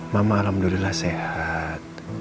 mama alhamdulillah sehat